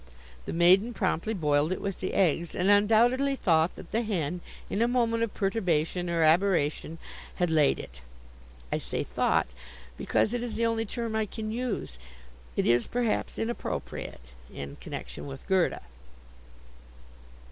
The maiden promptly boiled it with the eggs, and undoubtedly thought that the hen, in a moment of perturbation, or aberration, had laid it. I say "thought" because it is the only term I can use. It is, perhaps, inappropriate in connection with Gerda.